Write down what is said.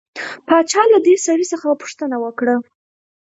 باچا له دې سړي څخه پوښتنه وکړه.